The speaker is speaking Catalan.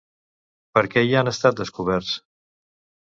Per qui han estat descoberts?